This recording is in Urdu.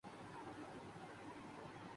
انہیں اسرائیل بہت زیادہ پسند ہے